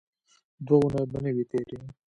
دوه اوونۍ به نه وې تېرې.